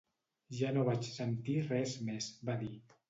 Ja no vaig sentir res més, va dir.